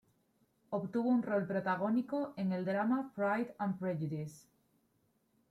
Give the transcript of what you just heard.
Obtuvo un rol protagónico en el drama "Pride and Prejudice".